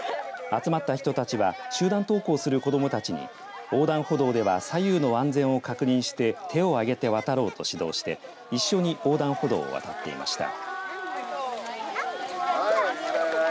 集まった人たちは集団登校する子どもたちに横断歩道では左右の安全を確認して手を上げて渡ろうと指導して一緒に横断歩道を渡っていました。